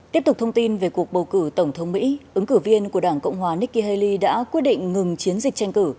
tiếp tục thông tin về cuộc bầu cử tổng thống mỹ ứng cử viên của đảng cộng hòa nikki haley đã quyết định ngừng chiến dịch tranh cử